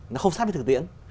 nó không sắp đến thực tiễn